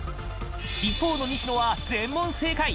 一方の西野は全問正解！